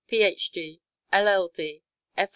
D., Ph.D., LL.D., F.